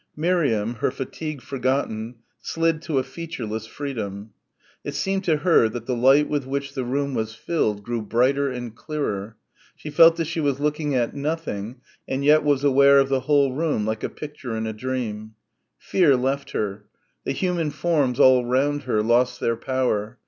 Miriam, her fatigue forgotten, slid to a featureless freedom. It seemed to her that the light with which the room was filled grew brighter and clearer. She felt that she was looking at nothing and yet was aware of the whole room like a picture in a dream. Fear left her. The human forms all round her lost their power.